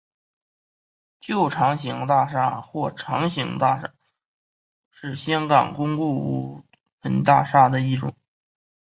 旧长型大厦或长型大厦是香港公共屋邨大厦的一种。